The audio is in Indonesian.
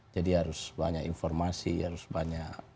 jadi harus banyak informasi harus banyak